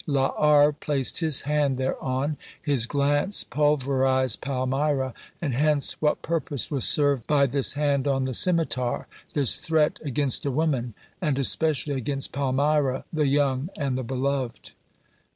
La R. placed his hand thereon ; his glance pulverised Palmyra, and hence what purpose was served by this hand on the scimitar, this threat against a woman and especially against Palmyra, the young and the beloved